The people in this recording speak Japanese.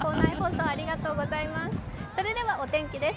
それではお天気です。